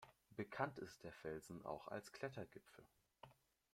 Bekannt ist der Felsen auch als Klettergipfel.